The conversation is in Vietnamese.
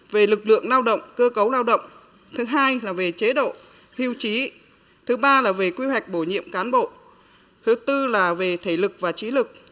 về lực lượng lao động cơ cấu lao động thứ hai là về chế độ hưu trí thứ ba là về quy hoạch bổ nhiệm cán bộ thứ tư là về thể lực và trí lực